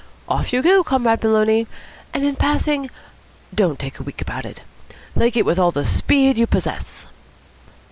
Off you go, Comrade Maloney. And, in passing, don't take a week about it. Leg it with all the speed you possess."